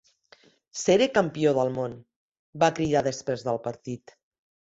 "Seré campió del món", va cridar després del partit.